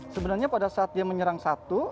sebenarnya pada saat dia menyerang satu